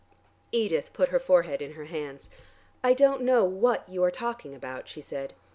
Edith put her forehead in her hands. "I don't know what you are talking about," she said.